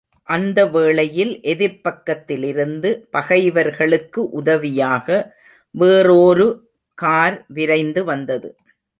அந்த வேளையில் எதிர்ப்பக்கத்திலிருந்து பகைவர்களுக்கு உதவியாக வேறோரு கார் விரைந்து வந்தது.